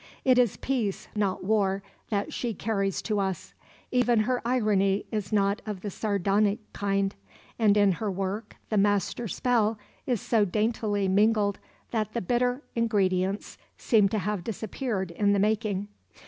It is peace, not war, that she carries to us. Even her irony is not of the sardonic kind, and in her work the "master spell" is so daintily mingled that the bitter ingredients seem to have disappeared in the making.